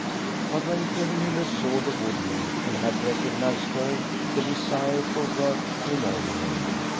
But when Kevenhiiller saw the wood nymph and had recognized her, the desire for work came over him.